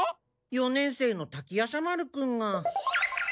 四年生の滝夜叉丸君が。